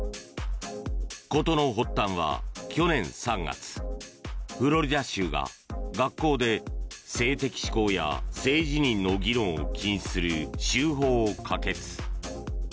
事の発端は去年３月フロリダ州が、学校で性的指向や性自認の議論を禁止する州法を可決。